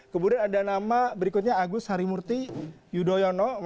kemudian ada nama berikutnya agus harimurti yudhoyono